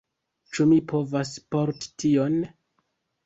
Ĉu mi povas porti tion?